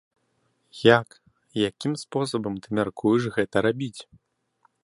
Як, якім спосабам ты мяркуеш гэта рабіць?